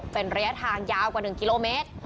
เป็นระยะทางยาวกว่า๑กิโลเมตร